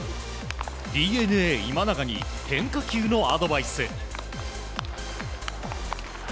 ＤｅＮＡ、今永に変化球のアドバイス。